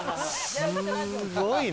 すごいね。